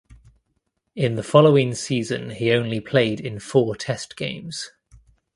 In the following season he only played in four test games.